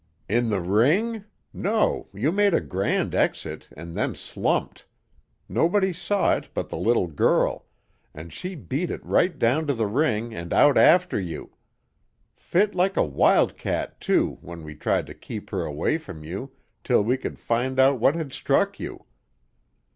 "In the ring? No, you made a grand exit, and then slumped; nobody saw it but the little girl, and she beat it right down to the ring and out after you. Fit like a wildcat, too, when we tried to keep her away from you till we could find out what had struck you."